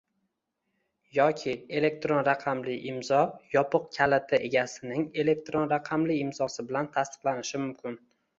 yoki elektron raqamli imzo yopiq kaliti egasining elektron raqamli imzosi bilan tasdiqlanishi mumkin.